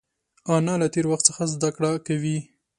انا له تېر وخت څخه زده کړه کوي